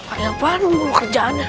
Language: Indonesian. palingan apaan ngurus kerjaannya